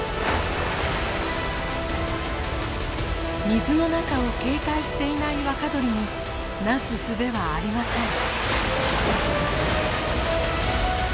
水の中を警戒していない若鳥になすすべはありません。